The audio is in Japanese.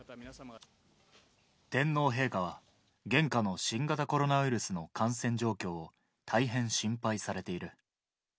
天皇陛下は、現下の新型コロナウイルスの感染状況を大変心配されている。